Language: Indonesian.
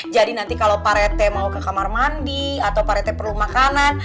jadi nanti kalau pak rete mau ke kamar mandi atau pak rete perlu makanan